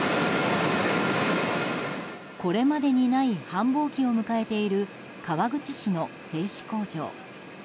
これまでにない繁忙期を迎えている、川口市の製紙工場。